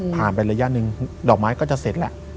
ผ่านไประยะหนึ่งดอกไม้ก็จะเสร็จแล้ว